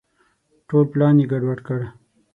ټول پلان یې ګډ وډ کړ.